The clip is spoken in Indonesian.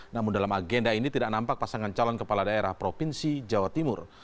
namun dalam agenda ini tidak nampak pasangan calon kepala daerah provinsi jawa timur